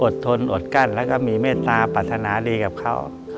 ทนอดกั้นแล้วก็มีเมตตาปรารถนาดีกับเขา